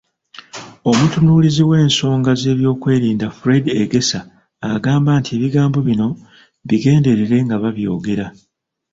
Omutunuulizi w'ensonga z'ebyokwerinda, Fred Egesa, agamba nti ebigambo bino bigenderere ng'ababyogera.